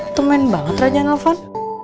itu main banget rajang alvan